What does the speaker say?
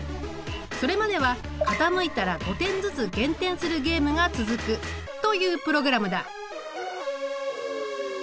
それまでは傾いたら５点ずつ減点するゲームが続くというプログラムだ。